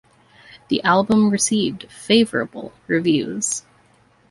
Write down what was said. The album received favorable reviews.